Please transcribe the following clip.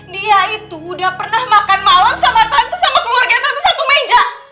dia itu sudah pernah makan malam sama tante dan keluarga tante yang satu meja